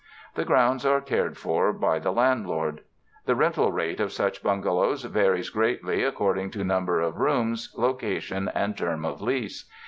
The grounds are cared for by the landlord. The rental rate of such bungalows varies greatly according to number of rooms, loca tion and term of lease.